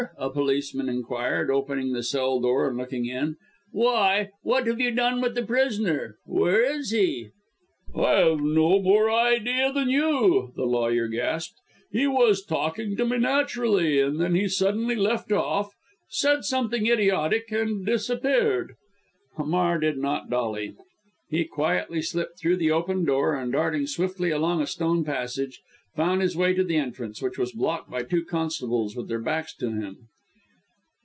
a policeman inquired, opening the cell door and looking in. "Why, what have you done with the prisoner where is he?" "I have no more idea than you," the lawyer gasped. "He was talking to me quite naturally, when he suddenly left off said something idiotic and disappeared." Hamar did not dally. He quietly slipped through the open door, and darting swiftly along a stone passage, found his way to the entrance, which was blocked by two constables with their backs to him.